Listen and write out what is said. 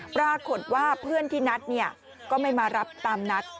ปรากฏว่าเพื่อนที่นัดก็ไม่มารับตามนัด